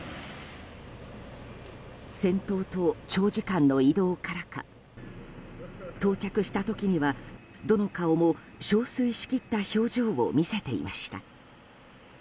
戦闘と長時間の移動からか到着した時にはどの顔も憔悴しきった表情を見せていました。